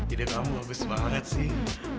ide kamu bagus banget sih